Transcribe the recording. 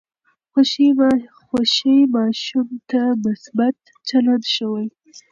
خوښي ماشوم ته مثبت چلند ښووي.